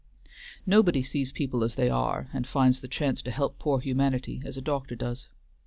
Nobody sees people as they are and finds the chance to help poor humanity as a doctor does.